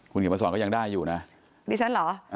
คุณเขียนมาสอนก็ยังได้อยู่นะดิฉันเหรอ